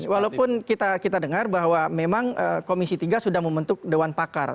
walaupun kita dengar bahwa memang komisi tiga sudah membentuk dewan pakar